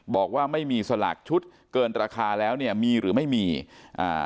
บอกว่าไม่มีสลากชุดเกินราคาแล้วเนี่ยมีหรือไม่มีอ่า